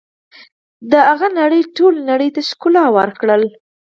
د هغه نړۍ ټولې نړۍ ته ښکلا ورکړه.